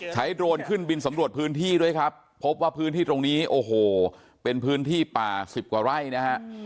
โดรนขึ้นบินสำรวจพื้นที่ด้วยครับพบว่าพื้นที่ตรงนี้โอ้โหเป็นพื้นที่ป่าสิบกว่าไร่นะฮะ